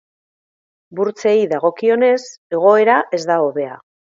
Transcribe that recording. Burtsei dagokienez, egoera ez da hobea.